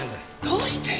どうして！？